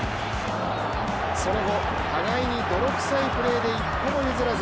その後、互いに泥臭いプレーで一歩も譲らず。